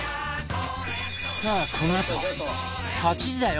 さあこのあと８時だョ！